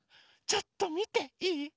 ちょっとみていい？